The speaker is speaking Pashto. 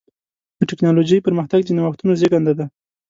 د ټکنالوجۍ پرمختګ د نوښتونو زېږنده دی.